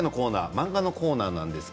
漫画のコーナーです。